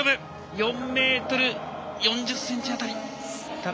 ４ｍ４０ｃｍあたり。